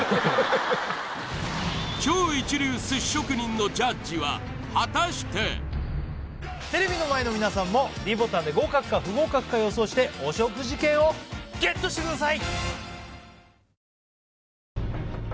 メチャクチャうまい果たしてテレビの前の皆さんもｄボタンで合格か不合格か予想してお食事券をＧＥＴしてください